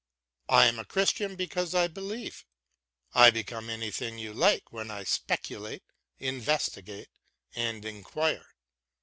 I am a Christian because I believe ; I become anything you like when I speculate, investigate, and inquire.